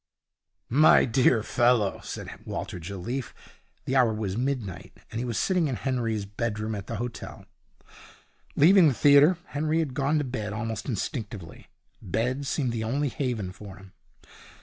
'My dear fellow,' said Walter Jelliffe. The hour was midnight, and he was sitting in Henry's bedroom at the hotel. Leaving the theatre, Henry had gone to bed almost instinctively. Bed seemed the only haven for him.